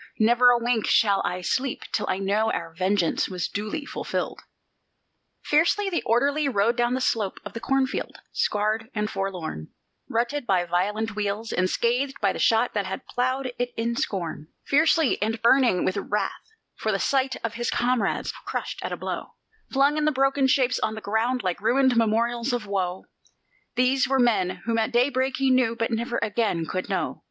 Never a wink shall I sleep till I know our vengeance was duly fulfilled." Fiercely the orderly rode down the slope of the cornfield scarred and forlorn, Rutted by violent wheels, and scathed by the shot that had ploughed it in scorn; Fiercely, and burning with wrath for the sight of his comrades crushed at a blow, Flung in broken shapes on the ground like ruined memorials of woe; These were the men whom at daybreak he knew, but never again could know.